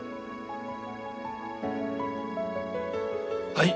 はい。